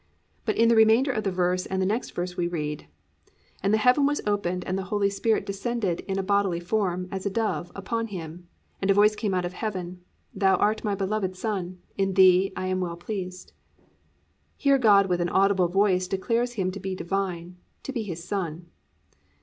But in the remainder of the verse and in the next verse we read, +"And the heaven was opened, and the Holy Spirit descended in a bodily form, as a dove, upon him, and a voice came out of heaven, Thou art my beloved Son; in thee I am well pleased."+ Here God with an audible voice declares Him to be Divine, to be His Son.